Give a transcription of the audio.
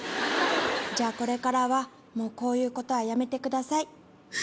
じゃあこれからはこういうことはやめてください。